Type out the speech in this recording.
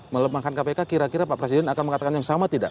melemahkan kpk kira kira pak presiden akan mengatakan yang sama tidak